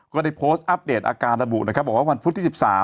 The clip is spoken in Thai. ก็ได้โพสต์อัปเดตอาการระบุนะครับบอกว่าวันพุธที่๑๓